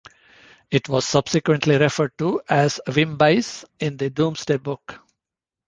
It was subsequently referred to as Wimbeis in the Domesday Book.